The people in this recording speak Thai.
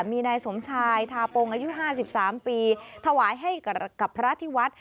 มีนายสมชายทาปงอายุ๕๓ปีถวายให้กับพระที่วัด